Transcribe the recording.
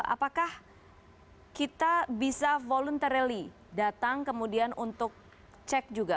apakah kita bisa voluntarily datang kemudian untuk cek juga